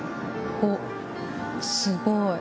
おっすごい。